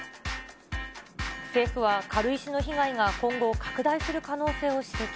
政府は、軽石の被害が今後、拡大する可能性を指摘。